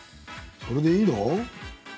これでいいの？